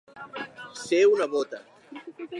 Ser una bota.